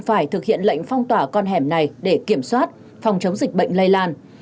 phải thực hiện lệnh phong tỏa con hẻm này để kiểm soát phòng chống dịch bệnh lây lan